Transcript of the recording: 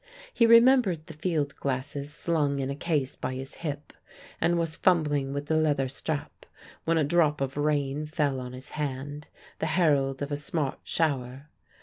He remembered the field glasses slung in a case by his hip and was fumbling with the leather strap when a drop of rain fell on his hand, the herald of a smart shower.